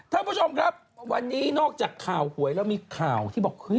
ท่านผู้ชมครับวันนี้นอกจากข่าวหวยแล้วมีข่าวที่บอกเฮ้ย